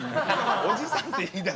おじさんって言いだすと。